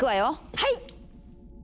はい！